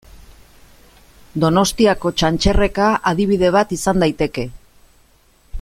Donostiako Txantxerreka adibide bat izan daiteke.